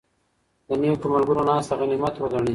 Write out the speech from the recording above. د نېکو ملګرو ناسته غنیمت وګڼئ.